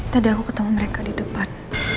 tadi aku ketemu mereka di depan